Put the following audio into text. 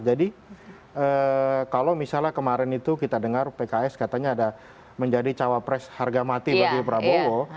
jadi kalau misalnya kemarin itu kita dengar pks katanya ada menjadi cawapres harga mati bagi prabowo